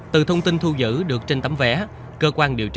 từ thông tin thu giữ được trên tấm vé